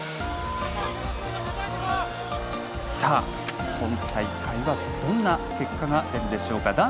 さあ、今大会はどんな結果が出るでしょうか。